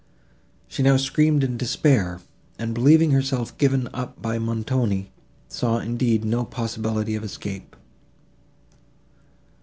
She now screamed in despair, and, believing herself given up by Montoni, saw, indeed, no possibility of escape.